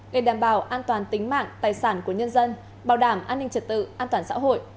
để đảm bảo an toàn tính mạng tài sản của nhân dân bảo đảm an ninh trật tự an toàn xã hội